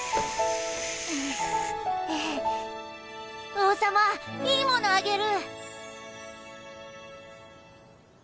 王様いいものあげる。